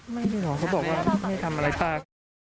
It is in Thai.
ไม่ได้หรอกเขาบอกว่าไม่ได้ทำอะไรบ้าง